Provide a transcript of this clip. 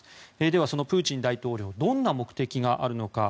では、そのプーチン大統領どんな目的があるのか。